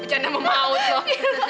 bercanda memaut loh